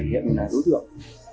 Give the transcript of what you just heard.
để hiện là đối tượng